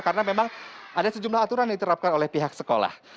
karena memang ada sejumlah aturan diterapkan oleh pihak sekolah